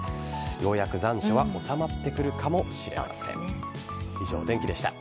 ようやく残暑は収まってくるかもしれません。